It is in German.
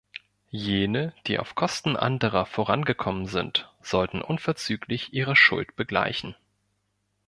Jene, die auf Kosten anderer vorangekommen sind, sollten unverzüglich ihre Schuld begleichen.